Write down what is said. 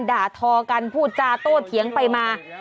ด่าทอกันพูดจาโต้เถียงไปมา